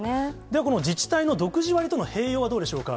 ではこの自治体の独自割との併用はどうでしょうか。